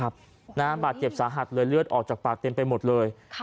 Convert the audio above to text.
บาดเจ็บสาหัสเลยเลือดออกจากปากเต็มไปหมดเลย